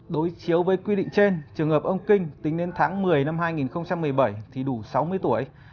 đối chiếu với quy định trên trường hợp ông kinh tính đến tháng một mươi năm hai nghìn một mươi bảy thì đủ sáu mươi tuổi